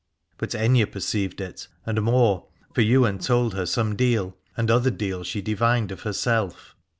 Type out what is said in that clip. But Aithne perceived it, and more, for Ywain told her some deal, and other deal she divined of herself.